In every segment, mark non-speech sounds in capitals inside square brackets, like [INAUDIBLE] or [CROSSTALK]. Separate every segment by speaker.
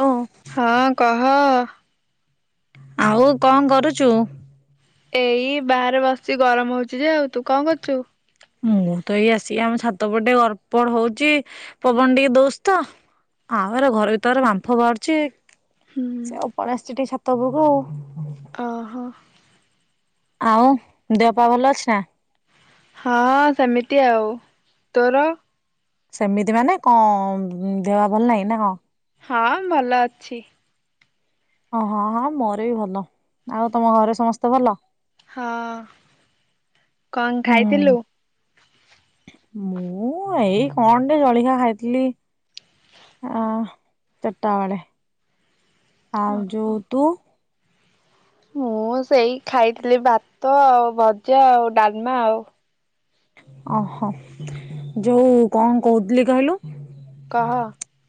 Speaker 1: ହଁ।
Speaker 2: ହଁ କହ
Speaker 1: ଆଉ କଣ କରୁଛୁ?
Speaker 2: ଏଇ ବାହାରେ ବସିି ଗରମ ହଉଛିି ଯେ ଆଉ ତୁ କଣ କରୁଛୁ?
Speaker 1: ମୁଁ ତ ଏଇ ଆସିକି ଆମ ଛାତ ପଟ ଟିକେ ଗଡ ର୍ପଡ ହଉଛି ପବନ ଟିକେ ଦଉଛି ତ ଆଉ ଏର ଘର ଭିତରେ ବାମ୍ଫ ବାହାରୁଛି
Speaker 2: ହୁଁ
Speaker 1: ସେ ଆଉ ପଳାଇ ଆସିଛି ଟିକେ ଛାତ ଉପକୁ ଆଉ
Speaker 2: ଓହୋ।
Speaker 1: ଆଉ ଦେହପା ଭଲ ଅଛି ନା?
Speaker 2: ହଁ ସେମିତି ଆଉ ତୋର
Speaker 1: ସେମିତି ମାନେ କଣ ଦେହ ଭଲ ନାହିଁ ନା କଣ
Speaker 2: ହଁ ଭଲ ଅଛି।
Speaker 1: ଓହୋ ହଁ ମୋର ବି ଭଲ ଆଉ ତମ ଘରେ ସମସ୍ତେ ଭଲ?
Speaker 2: ହଁ କଣ
Speaker 1: ହୁଁ
Speaker 2: ଖାଇଥିଲୁ?
Speaker 1: ମୁଁ ଏଇ କଣ ଟିକେ ଜଳିଖିଆ ଖାଇଥିଲି। ଆଁ ଚାରିଟା ବଳେ ଆଉ ଯୋଉ ତୁ?
Speaker 2: ମୁଁ ସେଇ ଖାଇଥିଲି ଭାତ ଆଉ ଭଜା ଆଉ ଡ଼ାଲମା ଆଉ।
Speaker 1: ଓହୋ ଯୋଉ କଣ କହୁଥିଲି କହିଲୁ?
Speaker 2: କହ।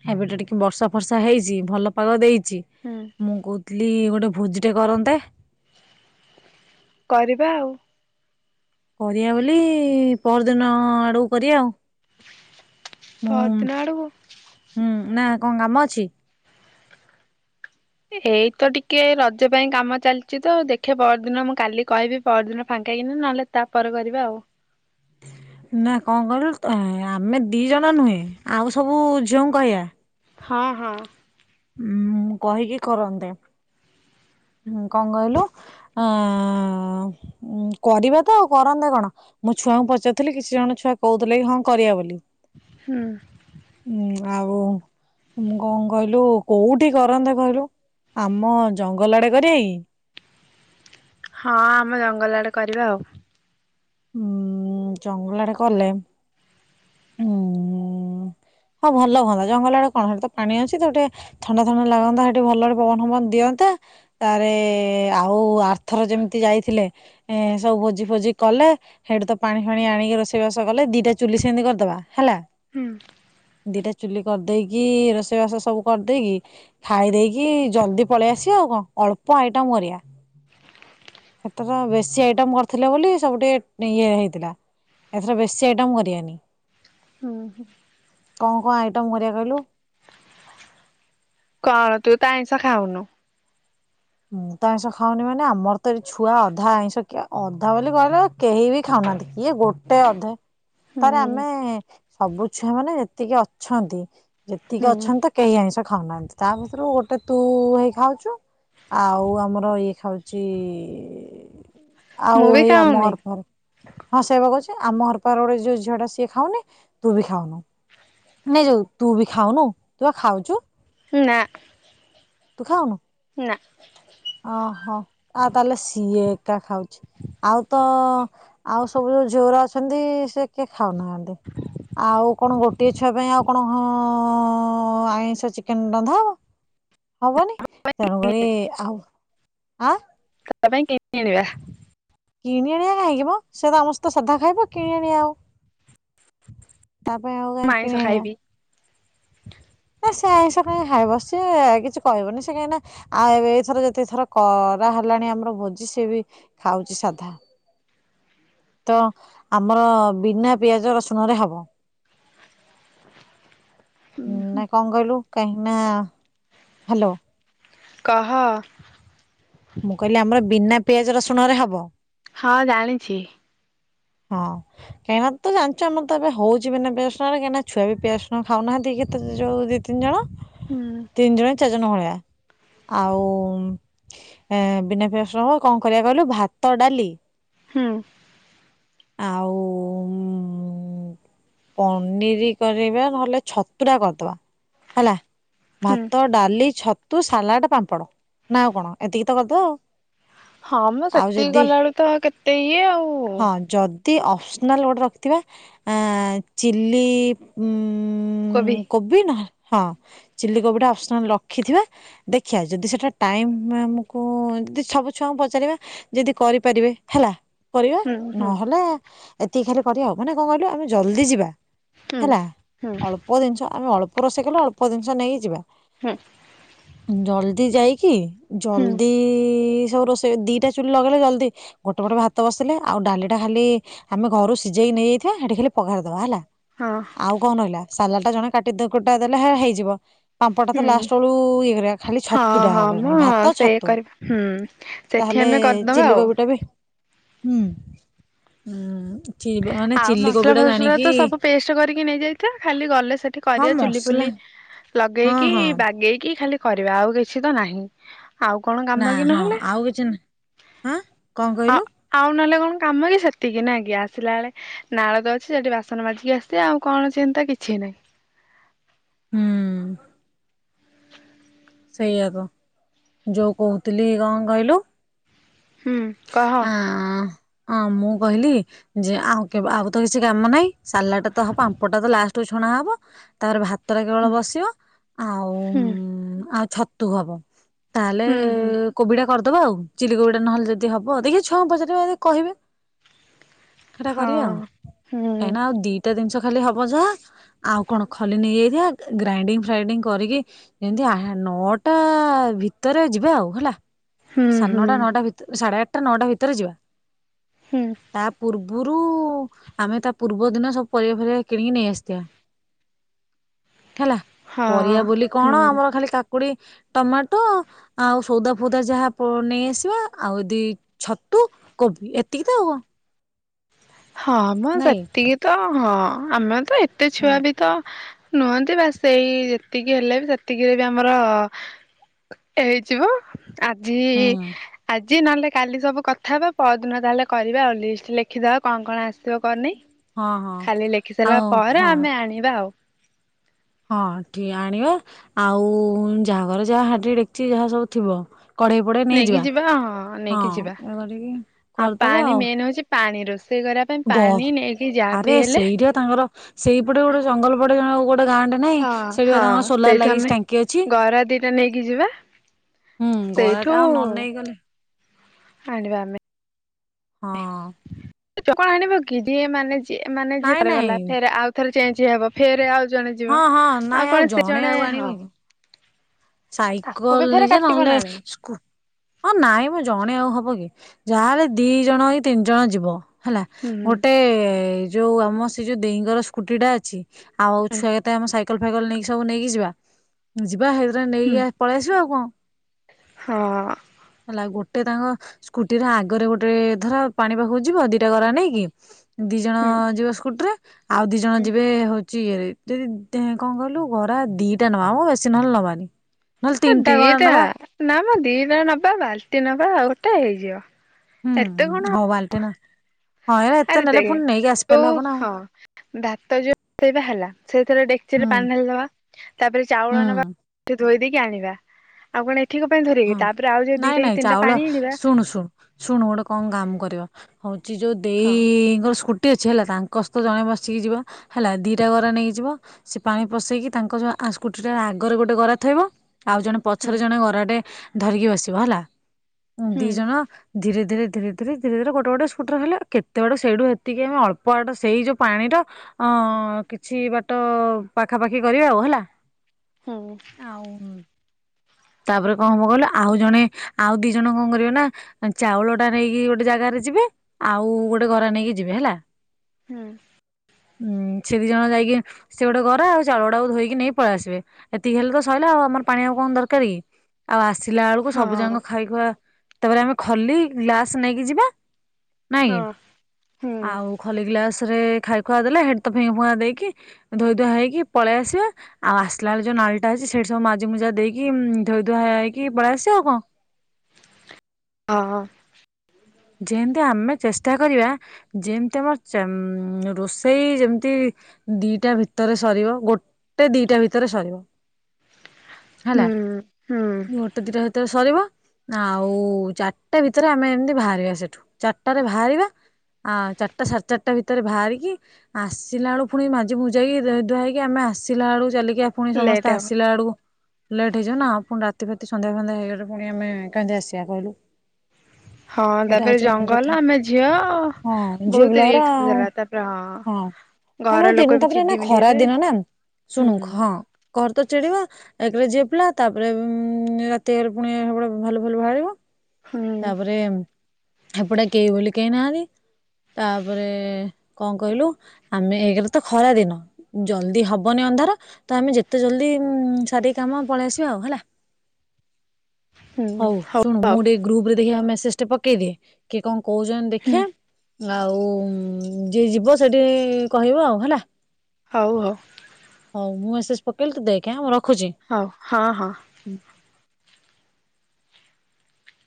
Speaker 1: ହେବିଟ ଟିକେ ବର୍ଷା ଫର୍ଷା ହେଇଛି ଭଲ ପାଗ ଦେଇଛି।
Speaker 2: ହୁଁ।
Speaker 1: ମୁଁ କହୁଥିଲି ଗୋଟେ ଭୋଜିଟେ କରନ୍ତେ।
Speaker 2: କରିବା ଆଉ।
Speaker 1: କରିବା ବୋଲି ପହର ଦିନ ଆଡ଼କୁ କରିବା ଆଉ। ମୁଁ
Speaker 2: ପରଦିନ ଆଡକୁ
Speaker 1: ହୁଁ ନା କଣ କାମ ଅଛି?
Speaker 2: ଏଇ ତ ଟିକେ ରଜ ପାଇଁ କାମ ଚାଲିଛି ତ ଦେଖେ ପହରଦିନ ମୁଁ କାଲି କହିବି ପହରଦିନ ଫାଙ୍କା ହେଇକିନା ନହେଲେ ତାପରେ କରିବା ଆଉ।
Speaker 1: ନା କଣ କହିଲୁ ଆମେ ଦି ଜଣ ନୁହେଁ ଆଉ ସବୁ ଝିଅଙ୍କୁ କହିବା।
Speaker 2: ହଁ ହଁ।
Speaker 1: ଉଁ କହିକି କରନ୍ତେ କଣ କହିଲୁ? ହଁ ଉଁ କରିବା ତ ଆଉ କରନ୍ତେ କଣ ମୁଁ ଛୁଆଙ୍କୁ ପଚାରିଥିଲି କିଛି ଜଣ ଛୁଆ କହୁଥିଲେ କି ହଁ କରିବା ବୋଲି।
Speaker 2: ହୁଁ।
Speaker 1: ହୁଁ ଆଉ ମୁଁ କଣ କହିଲୁ କୋଉଠି କରନ୍ତେ କହିଲୁ ଆମ ଜଙ୍ଗଲ ଆଡ଼େ କରିବା କି?
Speaker 2: ହଁ ଆମେ ଜଙ୍ଗଲ ଆଡ଼େ କରିବା ଆଉ।
Speaker 1: ଉୁଁ ଜଙ୍ଗଲ ଆଡ଼େ କଲେ ହୁଁ ହଁ ଭଲ ହୁଅନ୍ତା ଜଙ୍ଗଲ ଆଡ଼େ କଣ ହେଠେ ତ ପାଣି ଅଛି ତ ହେଠେ ଥଣ୍ଡା ଥଣ୍ଡା ଲାଗନ୍ତା ସେଠି ଭଲରେ ପବନ ଫବନ ଦିଅନ୍ତା। ତାପରେ ଆଉ ଆରଥର ଯେମିତି ଯାଇଥିଲେ ଏ ସବୁ ଭୋଜି ଫୋଜି କଲେ। ସେଠୁ ତ ପାଣି ଫାଣି ଆଣିକି ରୋଷେଇବାସ କଲେ ଦିଟା ଚୁଲି ସେମିତି କରିଦବା ହେଲା।
Speaker 2: ହୁଁ।
Speaker 1: ଦିଟା ଚୁଲି କରିଦେଇକି ରୋଷେଇବାସ ସବୁ କରିଦେଇକି। ଖାଇ ଦେଇେକି ଜଲ୍ଦି ପଳେଇ ଆସିବା ଆଉ କଣ ଅଳ୍ପ ଆଇଟମ କରିବା। ସେଥର ବେଶୀ ଆଇଟମ କରିଥିଲେ ବୋଲି ସବୁ ଟିକେ ଇଏ ହେଇଥିଲା। ଏଥର ବେଶୀ ଆଇଟମ୍ କରିବାନି।
Speaker 2: ହୁଁ ହୁ।
Speaker 1: କଣ କଣ ଆଇଟମ୍ କରିବାକୁ କହିଲୁ?
Speaker 2: କଣ ତୁ ତ ଆଇଁଷ ଖାଉନୁ?
Speaker 1: ମୁଁ ତ ଆଇଁଷ ଖାଉନି ମାନେ ଆମର ତ ଏ ଛୁଆ ଅଧା ଆଇଁଷ କିଏ ଅଧା ବୋଲି କହିଲ କେହି ବି ଖାଉନାହାନ୍ତି। ଇଏ ଗୋଟେ ଅଧେ
Speaker 2: ହୁଁ
Speaker 1: ତାର ଆମେ ସବୁ ଛୁଆ ମାନେ ଯେତିକି ଅଛନ୍ତି ଯେତିକି
Speaker 2: ହୁଁ।
Speaker 1: ଅଛନ୍ତି ତ କେହି ଆଇଁଷ ଖାଉନାହାନ୍ତି ତା ଭିତରୁ ଗୋଟେ ତୁ ହେଇ ଖାଉଛୁ। ଆଉ ଆମର ଇଏ ଖାଉଛି
Speaker 2: ମୁଁ
Speaker 1: ଆଉ
Speaker 2: ବି
Speaker 1: ଏଇ ଆମ
Speaker 2: ଖାଉନି
Speaker 1: ଘର ପାଖ ହଁ ସେଇବା କହୁଛି ଆମ ଘର ପାଖରେ ଗୋଟେ ଯୋଉ ଝିଅ ଟା ସିଏ ଖାଉନି ତୁ ବି ଖାଉନୁ। ନାଇଁ ଯୋଉ ତୁ ବି ଖାଉନୁ ତୁ ବା ଖାଉଛୁ।
Speaker 2: ନା
Speaker 1: ତୁ ଖାଉନୁ?
Speaker 2: ନା।
Speaker 1: ଓହୋ ଆଉ ତାହେଲେ ସିଏ ଏକା ଖାଉଛି। ଆଉ ତ ଆଉ ସବୁ ଯୋଉ ଝିଅଉରା ଅଛନ୍ତି ସେ କିଏ ଖାଉନାହାନ୍ତି ଆଉ କଣ ଗୋଟିଏ ଛୁଆ ପାଇଁ ଆଉ କଣ ହ ଆଇଁଷ ଚିକେନ ରନ୍ଧା ହବ ହବନି ତେଣୁକରି ଆଉ ଆଁ
Speaker 2: ତା ପାଇଁ କିଣି ଆଣିବା
Speaker 1: କିଣି ଆଣିବା କାହିଁକି ମ ସେ ତ ସମସ୍ତେ ସାଧା ଖାଇବ କିଣି ଆଣିବା ଆଉ ତା ପାଇଁ ଆଉ
Speaker 2: ମୁଁ
Speaker 1: କାହିଁ
Speaker 2: ଆଇଁଷ
Speaker 1: କିଣି ଆଣିବା
Speaker 2: ଖାଇବି।
Speaker 1: ନା ସେ ଆଇଶ କାଇ ଖାଇବ ସିଏ କିଛି କହିବନି ସେ କାଇଁ ଆଉ ଏବେ ଏଇଥର ଯେତେ ଥର କରା ହେଲାଣି ଆମର ଭୋଜି ସେ ବି ଖାଉଛି ସାଧା ତ ଆମର ବିନା ପିଆଜ ରସୁଣ ରେ ହବ ଁ ନା କଣ କହିଲୁ କାହିଁକି ନା ହ୍ୟାଲୋ
Speaker 2: କହ
Speaker 1: ମୁଁ କହିଲି ଆମର ବିନା ପିଆଜ ରସୁଣ ରେ ହବ
Speaker 2: ହଁ ଜାଣିଛି
Speaker 1: ହଁ କାହିଁକନା ତ ଜାଣିଚ ଆମର ତ ଏବେ ହଉଚି ବିନା ପିଆସଣରେ କାହିଁକିନା ଛୁଆ ବିିଆସଣ ଖାଉନାହାନ୍ତିି କେତ ଯୋଉ ଦି ତିନି ଜଣ।
Speaker 2: ହୁଁ
Speaker 1: ତିନି ଜଣ ଚାର ଜଣ ହଭଳିଆ। ଆଉ ଏ ବିନା ପ୍ରସନ କଣ କରିବା କହିଲୁ ଭାତ ଡାଲି
Speaker 2: ହୁଁ।
Speaker 1: ଆଉ ଉମ ପନିର କରିବା ନହେଲେ ଛତୁରା କରିଦବା ହେଲା
Speaker 2: ହୁଁ
Speaker 1: ଭାତ ଡାଲି ଛତୁ ସାଲାଡ ପାମ୍ପଡ଼ ନା ଆଉ କଣ ଏତିକି ତ କରିଦବା ଆଉ।
Speaker 2: ହଁ ମୁଁ
Speaker 1: ଆଉ
Speaker 2: ସେତିକି
Speaker 1: ଯଦି
Speaker 2: ଗଲାବେଳୁ ତ କେତେ ଇଏ ଆଉ।
Speaker 1: ହଁ ଯଦି ଅପସନାଲ୍ ଗୋଟେ ରଖିଥିବା ଆ ଚିଲି ଉମ କୋବି ନହଲେ ହଁ ଚିଲି କୋବି ଟା ଆପସନାଲ ରଖିଥିବା ଦେଖିବା ଯଦି ସେଇଟା ଟାଇମ୍ ଆମକୁ ଯଦି ସବୁ ଛୁଆଙ୍କୁ ପଚାରିବା ଯଦି କରିପାରିବେ ହେଲା କରିବା।
Speaker 2: ହୁଁ ହୁଁ
Speaker 1: ମାନେ ଏତିକି ଖାଲି କରିବାଉ ମାନେ କଣ କହିଲୁ ଆମେ ଜଲଦି ଯିବା।
Speaker 2: ହୁଁ।
Speaker 1: ହେଲା
Speaker 2: ହୁଁ ହୁଁ
Speaker 1: ଅଳ୍ପ ଜିନିଷ ଆମେ ଅଳ୍ପ ରୋଷେଇ କଲେ ଅଳ୍ପ ଜିନିଷ ନେଇକି ଯିବା।
Speaker 2: ହୁଁ।
Speaker 1: ଜଲଦି ଯାଇକି ଜଲ୍ଦି ସବୁ ରେଷ ଦିଟା ଚୁଲି ଲଗେଇଲେ ଜଲ୍ଦି ଗୋଟେ ପଟେ ଭାତ ବସିଲେ ଆଉ ଡାଲି ଟା ଖାଲି ଆମେ ଘରୁ ସିଝେଇକି ନେଇଯାଇଥିବା ସେଠି ଖାଲି ପଘାରିଦବା ହେଲା।
Speaker 2: ହଁ।
Speaker 1: ଆଉ କଣ ରହିଲା ସାଲା ଟା ଜଣେ କାଟିଦ କୁଟା ଦେଲେ ହେ ହେଇଯିବ। ପାମ୍ପଡ଼ ଟା ତ
Speaker 2: ହୁଁ
Speaker 1: ଲାଷ୍ଟ ବେଳୁ ଇଏ କରିବା। ଖାଲି ଛତୁ
Speaker 2: ହଁ
Speaker 1: ଟା
Speaker 2: ହଁ ମ
Speaker 1: ହବନି ଭାତ
Speaker 2: ସେଇଆ
Speaker 1: ଛତୁ।
Speaker 2: କରିବା ହୁଁ। ସେଠି
Speaker 1: ତାହେଲେ
Speaker 2: ଆମେ କରିଦବା
Speaker 1: ଚିଲ
Speaker 2: ଆଉ
Speaker 1: କୋବି ଟା ବି ଚି ମାନେ
Speaker 2: ଆଉ
Speaker 1: ଚିଲି
Speaker 2: ମସଲା
Speaker 1: କୋବିଟା
Speaker 2: ଫସଲା
Speaker 1: ଜାଣିକି
Speaker 2: ତ ସବୁ ପେଷ୍ଟ କରିକି ନେଇଯାଇଥିବା। ଖାଲି ଗଲେ ସେଠି
Speaker 1: ହଁ
Speaker 2: କରିବା ଚୁଲି
Speaker 1: ମସଲା
Speaker 2: ଫୁଲି
Speaker 1: ହଁ
Speaker 2: ଲଗେଇକି
Speaker 1: ହଁ
Speaker 2: ବାଗେଇକି ଖାଲି କରିବା ଆଉ କିଛି ତ ନାହିଁ। ଆଉ କଣ
Speaker 1: ନା
Speaker 2: କାମ କି
Speaker 1: ହଁ
Speaker 2: ନହେଲେ।
Speaker 1: ଆଉ କିଛି ନା ହଁ କଣ
Speaker 2: ଆ
Speaker 1: କହିଲୁ
Speaker 2: ଆଉ ନହେଲେ କଣ କାମ କି ସେତିକି ନା କି? ଆସିଲା ବେଳେ ନାଳତ ଅଛି ସେଠି ବାସନ ମାଜିକି ଆସିବା ଆଉ କଣ ଚିନ୍ତା କିଛି ନାହିଁ।
Speaker 1: ହୁଁ। ସେଇଆା ତ ଯୋଉ କହୁଥିଲି କଁ କହିଲୁ
Speaker 2: ହୁଁ। କହ
Speaker 1: ଅ ହ ମୁଁ କହିଲି ଯେ ଆଉ କେବେ ଆଉ ତ କିଛି କାମ ନାହିଁ। ସାଲାଡ ଟା ତ ହବ ପାମ୍ପଟା ତ ଲାଷ୍ଟୁ ଛଣା ହବ ତାପରେ ଭା ତ ଟା କେବଳ
Speaker 2: ହୁଁ
Speaker 1: ବସିବ ଆଉ
Speaker 2: ହୁଁ
Speaker 1: ଆଉ ଛତୁ ହବ। ତାହେଲେ
Speaker 2: ହୁଁ ହୁଁ
Speaker 1: କୋବି ଟା କରିଦବା ଆଉ ଚିଲ କୋବି ଟା ନହେଲେ ଯଦି ହ ବ ଦେଖେ ଛୁଆଙ୍କୁ ପଚାରିବା ଯଦି କହିବେ ସେଟା କରିବା ଆଉ
Speaker 2: ହଁ। ହୁଁ
Speaker 1: କାହିଁକିନା ଆଉ ଦି ତେ ଜିନିଷ ଖାଲି ହବ ଯାହା ଆଉ କଣ ଖଲି ନେଇଯାଇଥିବା ଗ ଗ୍ରାଇଣ୍ଡିଙ୍ଗ ଫ୍ରାଇଣ୍ଡିଙ୍ଗ କରିକି ଇନ୍ତି ଆହା ନଅଟା ଭିତେରେ ଯିବା ଆଉ ହେଲା।
Speaker 2: ହୁଁ
Speaker 1: ସାଡ
Speaker 2: ହୁଁ
Speaker 1: ନଅଟା ନଅଟା ଭିତେ ସାଢେ ଆଟଟା ନଅଟା ଭିତେରେ ଯିବା।
Speaker 2: ହୁଁ।
Speaker 1: ତା ପୂର୍ବୁରୁ ଆମେ ତା ପୂର୍ବ ଦିନ ସବୁ ପରିବା ଫରିବା କିଣିକି ନେଇଆସିଥିଆ। ହେଲା
Speaker 2: ହଁ।
Speaker 1: ପରିଆ ବୋଲି କଣ
Speaker 2: ହୁଁ
Speaker 1: ଆମର ଖାଲି କା କୁଡି ଟମାଟୋ ଆଉ ସଉଦା ଫଉଦା ଯାହା ପ ନେଇ ଆସିବା ଆଉ ଦି ଛତୁ କୋବି ଏତିକି ତ ଆଉ କଁ।
Speaker 2: ହଁ ମ
Speaker 1: ନାଇଁ।
Speaker 2: ସେତିକି ତ ହଁ ଆମେ ତ ଏତେ
Speaker 1: ହୁଁ।
Speaker 2: ଛୁଆ ବି ତ ନୁଅନ୍ତି ବାସ୍ ସେଇ ଏତିକି ହେଲେ ବି ସେତିକିରେ ବି ଆମର ହେଇଯିବ ଆଜି
Speaker 1: ହୁଁ
Speaker 2: ଆଜି ନହେଲେ କାଲି ସବୁ କଥା ହବା ପଅରଦିନ ତାହେଲେ କରିବା ଆଉ ଲିଷ୍ଟ ଲେଖିଦେବା। କଁ କଁ ଆସିବ କଁ ନାଇଁ
Speaker 1: ହଁ ହଁ
Speaker 2: ଖାଲି ଲେଖି ସାରିଲା
Speaker 1: ଆଉ
Speaker 2: ପରେ
Speaker 1: ହଁ
Speaker 2: ଆମେ ଆଣିବା ଆଉ।
Speaker 1: ହଁ ଠି ଆଣିବା ଆଉ ଯାହାଘରେ ଯାହା ହାଡି ଡେକିଚି ଯାହା ସବୁ ଥିବ। କଢେଇ ଫଡେଇ
Speaker 2: ନେଇକି
Speaker 1: ନେଇଯିବା
Speaker 2: ଯିବା
Speaker 1: ହଁ
Speaker 2: ନେଇକି ଯିବା
Speaker 1: ଏଇ କରିକି
Speaker 2: ଆଉ
Speaker 1: କରିଦବା
Speaker 2: ପାଣି
Speaker 1: ଆଉ।
Speaker 2: ମେନ୍ ହଉଛି ପାଣି ରୋଷେଇ କରିବା ପାଇଁ
Speaker 1: ଗ
Speaker 2: ପାଣି ନେଇକି ଯା
Speaker 1: ଆରେ
Speaker 2: ବିି ହେଲେ
Speaker 1: ସେଇଟା ତାଙ୍କର ସେଇପଟେ ଗୋଟେ ଜଙ୍ଗଲ ପଡେ ତାଙ୍କର ଗୋଟେ ଗାଁଟେ ନାଇଁ
Speaker 2: ହଁ
Speaker 1: ସେଇଟି ପା
Speaker 2: ହଁ
Speaker 1: ତାଙ୍କର ସୋଲାର
Speaker 2: ସେଇଠୁ
Speaker 1: ଲାଗିଚି
Speaker 2: ଆମେ
Speaker 1: ଟାଙ୍କି ଅଛି।
Speaker 2: ଗରା ଦିଟା ନେଇକି ଯିବା
Speaker 1: ହୁଁ ଗରାଟା
Speaker 2: ସେଇଠୁ
Speaker 1: ଆଉ ନ ନେଇଗଲେ।
Speaker 2: ହାଣିବା ଆମେ।
Speaker 1: ହଁ।
Speaker 2: ତୁ କଁ ଆଣିବୁ କି ଯିଏ ମାନେ ଯିଏ ମାନେ ଯିଏ
Speaker 1: ନାଇଁ
Speaker 2: [UNINTELLIGIBLE] ଗଲା
Speaker 1: ନାଇଁ
Speaker 2: ଫେରେ ଆଉ ଥରେ ଚେଞ୍ଚ ହବ। ଫେରେ ଆଉ ଜଣେ ଯିବ
Speaker 1: ହଁ ହଁ ନାଇଁ
Speaker 2: ଆଉ କଣ ସେ ଜଣେ ହଁ। ତାକୁ ବି
Speaker 1: ସାଇକଲ୍
Speaker 2: ଫେରେ
Speaker 1: ନେଇଯିଆ
Speaker 2: କାଟିବ
Speaker 1: ନହେଲେ
Speaker 2: ନା ନାଇଁ।
Speaker 1: ସ୍କୁ ହଁ ନାଇଁ ମ ଜଣେ ଆଉ ହବ କି ଯାହେଲେ ଦି ଜଣ କି ତିନି ଜଣ ଯିବ। ହେଲା
Speaker 2: ହୁଁ
Speaker 1: ଗୋଟେ ଯୋଉ ଆମ ସେ ଯୋଉ ଦେଇ ଙ୍କର ସ୍କୁଟିଟା ଅଛି। ଆଉ
Speaker 2: ହୁଁ
Speaker 1: ଛୁଆ କେତେ ଆମ ସାଇକଲ୍ ଫାଇକଲ୍ ନେଇକି ସବୁ ନେଇକି ଯିବା ଯିବା ହେଇକିରା
Speaker 2: ହୁଁ
Speaker 1: ନେଇକି ଆ ପଳେଇଆସିବ ଆଉ କଣ।
Speaker 2: ହଁ।
Speaker 1: ନାଇଁ ଗୋଟେ ତାଙ୍କ ସ୍କୁଟିରେ ଆଗରେ ଗୋଟେ ଧର ପାଣି ପାଖୁକୁ ଯିବ ଦିଟା ଗରା ନେଇକି। ଦି ଜଣ
Speaker 2: ହୁଁ।
Speaker 1: ଯିବ ସ୍କୁଟିରେ ଆଉ ଦି ଜଣ
Speaker 2: ହୁଁ।
Speaker 1: ଯିବେ ହଉ ଚି ଏରେ ଯଦିଦ୍ ଏଁ କଁ କଇଲୁ ଗରା ଦିଟା ନବା ମ ବେଶୀ ନହେଲେ ନବାନି? ନହେଲେ
Speaker 2: ହେ
Speaker 1: ତିନିଟା ଗରା
Speaker 2: ଦିଟା
Speaker 1: ନବା
Speaker 2: ନା ମ ଦିଟା ନବା ବାଲ୍ଟି ନବା ଆଉ ଗୋଟେ ହେଇଯିବ।
Speaker 1: ହୁଁ
Speaker 2: ଏତେ କଣ
Speaker 1: ହଉ ବାଲ୍ଟି
Speaker 2: ହବ
Speaker 1: ନା ହଁ ଏରା ଏତେ
Speaker 2: ଆରେ
Speaker 1: ନେଲେ
Speaker 2: ଦେଗେ
Speaker 1: ପୁଣି ନେଇକି
Speaker 2: ଉ
Speaker 1: ଆସିପାରିଲେ ହବ ନା ଆଉ
Speaker 2: ହଁ। ଭାତ ଯୋଉଥେରେ ହେଲା ସେଇଥେରେ ଡେକଚିରେ
Speaker 1: ହୁଁ
Speaker 2: ପାଣି ଢାଲିଦବା। ତାପରେ ଚାଉଳ
Speaker 1: ହୁଁ।
Speaker 2: ନବା [UNINTELLIGIBLE] ଠୁ ଧୋଇ ଦେଇକି ଆଣିବା। ଆଉ କଣ ଏଠି କଁ ପାଣି ଧରବ
Speaker 1: ହଁ
Speaker 2: କି ତାପରେ ଆଉ ଯୋଉ
Speaker 1: ନାଇଁ
Speaker 2: ଦିଟା
Speaker 1: ନାଇଁ
Speaker 2: ତିନିଟା
Speaker 1: ଚାଉଳ
Speaker 2: ପାଣି ଆଣିବା।
Speaker 1: ଶୁଣୁ ଶୁଣୁ ଶୁଣୁ ଗୋଟେ କଁ କାମ କରିବା ହଉଚି ଯୋଉ
Speaker 2: ହଁ
Speaker 1: ଦେଇଙ୍କ ସ୍କୁ ଟି ଅଛି ହେଲା ତାଙ୍କ ସ୍ତ ଜଣେ ବସିକି ଯିବ ହେଲା ଦିଟା ଗରା ନେଇକି ଯିବ। ସିଏ ପାଣି ପସେଇକି ତାଙ୍କର ଆ ସ୍କୁଟିରେ ଆଗରେ ଗୋଟେ ଗରା ଥୋଇବ ଆଉ ଜଣେ
Speaker 2: ହୁଁ
Speaker 1: ପଛରେ ଜଣେ ଗରାଟେ ଧରିକି ବସିବ ହେଲା ଉଁ
Speaker 2: ହୁଁ
Speaker 1: ଦି ଜଣ ଧୀରେ ଧୀରେ ଧୀରେ ଧୀରେ ଧୀରେ ଧୀରେ ଗୋଟେ ଗୋଟେ ସ୍କୁଟିରେ ହେଲା କେତେ ବାଟ ସେଇଡୁ ସେତିକି ଅଳ୍ପ ବାଟ ସେଇ ଯୋଉ ପାଣିର ଅଁ କିଛି ବାଟ ପାଖାପାଖି କରିବା ଆଉ ହେଲା?
Speaker 2: ହୁଁ।
Speaker 1: ଆଉଁ ଉଁ ତାପରେ କଣ ହବ କହିଲ ଆଉ ଜଣେ ଆଉ ଦି ଜଣ କଣ କରିବେ ନାଁ ଆଁ ଚାଉଳଟା ନେଇକି ଗୋଟେ ଜାଗାରେ ଯିବେ ଆଉ ଗୋଟେ ଗରା ନେଇକି ଯିବେ ହେଲା।
Speaker 2: ଉଁ
Speaker 1: ଉଁ ସେ ଦିଜଣ ଯାଇକି ସେ ଗୋଟେ ଗରା ଆଉ ଚାଉଳ ଗୁଡାକୁ ଧୋଇକି ନେଇ ପଳେଆସିବେ ଏତିକି ହେଲେ ତ ସଇଲା ଆଉ ଆମର ପାଣି ଆଉ କଣ ଦର କାରିକି ଆଉ ଆସିଲା ବେଳକୁ ସବୁ ଜାଙ୍କ
Speaker 2: ହଁ
Speaker 1: ଖାଇ ଖୁଆ ତାପରେ ଆମେ ଖଲି ଗ୍ଲାସ୍ ନେଇକି ଯିବା ନାଇଁ
Speaker 2: ହଁ
Speaker 1: କି
Speaker 2: ହୁଁ
Speaker 1: ଆଉ ଖଲି ଗ୍ଲାସରେ ଖାଇ ଖୁଆ ଦେଲେ ହେଠି ତ ଫିଙ୍ଗି ଫୁଙ୍ଗା ଦେଇକି ଧୋଇ ଧୁଆ ହେଇକି ପଳେଇ ଆସିବା ଆଉ ଆସିଲା ବେଳେ ଯୋଉ ନାଳଟା ଅଛି ସେଠି ସବୁ ମାଜି ମୁଜା ଦେଇ ଇମ୍ ଧୋଇ ଧୁଆ ହେଇକି ପଳେଇ ଆସେ ଆଉ କଣ।
Speaker 2: ଅ ହ।
Speaker 1: ଯେମତି ଆମେ ଚେଷ୍ଟା କରିବା ଯେମତି ଆମ ଚେମମ ରୋଷେଇ ଯେମତି ଦିଟା ଭିତରେ ସରିବ ଗୋଟେ ଦିଟା ଭିତରେ ସରିବ।
Speaker 2: ହୁଁ
Speaker 1: ହେଲା
Speaker 2: ହୁଁ
Speaker 1: ଗୋଟ ଦିଟା ଭିତରେ ସରିବ ଆଉ ଚାରଟା ଭିତରେ ଆମେ ଏମତି ବାହାର ରିବା ସେଠୁ ଚାରଟାରେ ବାହାରିବା ଆ ଚାରଟା ସାଢେ ଚାରଟା ଭିତରେ ବାହାରିକି ଆସିଲା ଏଳୁ ଫୁଣି ମାଜି ମୁଜାକି ଧୋଇ ଧୁଆ ହେଇକି ଆମେ ଆସିଲା ବଳୁ ଚାଲିକି ଆ ପୁଣି
Speaker 2: ଲେଟ୍
Speaker 1: ସମସ୍ତେ
Speaker 2: ହବ।
Speaker 1: ଆସିଲା ବେଳକୁ ଲେଟ୍ ହେଇଯିବ ନା ଆଉ ପୁଣି ରାତି ଫାତି ସନ୍ଧ୍ୟା ଫନ୍ଧ୍ୟା ହେଇଗଲେ ପୁଣି ଆମେ କେମତି ଆସିବା କହିଲୁ।
Speaker 2: ହଁ
Speaker 1: ଏଇଟା
Speaker 2: ତାପରେ
Speaker 1: ହଉଛି ମେନ
Speaker 2: ଜଙ୍ଗଲ
Speaker 1: କଥା।
Speaker 2: ଆମେ ଝିଅ
Speaker 1: ହଁ
Speaker 2: ବହୁତ
Speaker 1: ଝିଅପିଲା ଗୁରା
Speaker 2: ରିକ୍ସ
Speaker 1: ଆଉଁ
Speaker 2: ଥିଲା ତାପରେ
Speaker 1: ହଁ। ଆମର
Speaker 2: ଘର
Speaker 1: ଦିନ୍
Speaker 2: ଲୋକ ବି
Speaker 1: ତାପରେ ଏଇନା
Speaker 2: ଚିଡିମିଡି
Speaker 1: ଖରା
Speaker 2: ହେବେ
Speaker 1: ଦିନ ନା
Speaker 2: ହୁଁ
Speaker 1: ଶୁଣୁ ହଁ ଘରତ ଚିଡ଼ିବ ଏକରେ ଝିଅ ପିଲା ତାପରେ ରାତି ହେଇଗଲେ ପୁଣି ହେପଟେ ଭାଲୁ ଫାଲୁ ବାହାରିବ।
Speaker 2: ହୁଁ
Speaker 1: ତାପରେ ହେପଟେ କେହି ବୋଲି କେହି ନାହାନ୍ତି। ତାପରେ କଣ କହିଲୁ ଆମେ ଏକେରେତ ଖରା ଦିନ। ଜଲ୍ଦି ହବନି ଅନ୍ଧାର ତ ଆମେ ଯେତେ ଜଲ୍ଦି ଉଁ ଉଁ ସାରିଦେଇ କାମ ପଳେଇ ଆସିବା ଆଉ ହେଲା।
Speaker 2: ହୁଁ
Speaker 1: ହଉ ଶୁଣୁ
Speaker 2: ଆଉ
Speaker 1: ମୁଁ ଗୁଟେ ଗ୍ରୁପରେ ଦେଖିଆ ମେସେଜ୍ ଟେ ପକେଇଦେ କିଏ କଣ କହୁଛନ୍ତି
Speaker 2: ହୁଁ
Speaker 1: ଦେଖିଆ। ଆଉ ଉଁ ଉଁ ଯିଏ ଯିବ ସେଠି କହିବ ଆଉ ହେଲା।
Speaker 2: ହଉ ହଉ।
Speaker 1: ହଉ ମୁଁ ମେସେଜ୍ ପକେଇଲିି ତୁ ଦେଖେ ଆଁ ମୁଁ ରଖୁଚି।
Speaker 2: ହଉ ହଁ ହଁ।